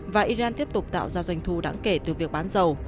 và iran tiếp tục tạo ra doanh thu đáng kể từ việc bán dầu